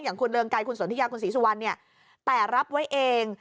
อย่างคุณเรืองไกรคุณสนทิยาคุณศรีสุวรรณเนี่ยแต่รับไว้เอง